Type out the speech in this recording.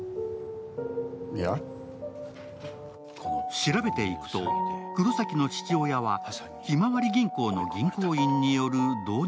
調べていくと、黒崎の父親はひまわり銀行の銀行員による導入